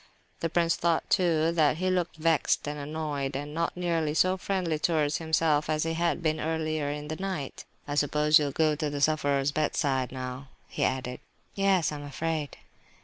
The prince thought, too, that he looked vexed and annoyed, and not nearly so friendly towards himself as he had been earlier in the night. "I suppose you will go to the sufferer's bedside now?" he added. "Yes, I am afraid..."